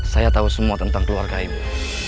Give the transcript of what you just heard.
saya tahu semua tentang keluarga ibu